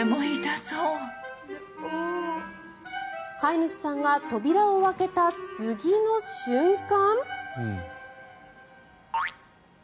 飼い主さんが扉を開けた次の瞬間。